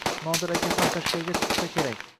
Nodir aka ham tashqariga chiqsa kerak